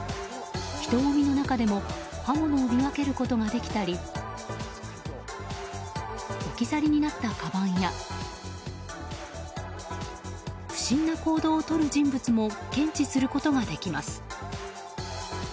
人ごみの中でも刃物を見分けることができたり置き去りになったかばんや不審な行動をとる人物も検知することができます。